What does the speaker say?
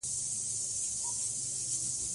مېلې د خلکو ذهني فشار کموي.